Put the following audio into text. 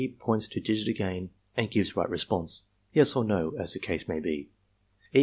points to digits again and gives right response, "Yes" or "No" as the case may be. E.